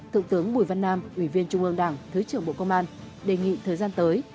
thượng tướng bùi văn nam ủy viên trung ương đảng thứ trưởng bộ công an đề nghị thời gian tới